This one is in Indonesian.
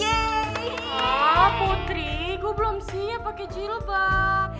ah putri gue belum siap pake jilbab